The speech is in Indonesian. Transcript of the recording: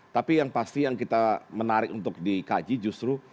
tapi yang pasti yang kita menarik untuk dikaji justru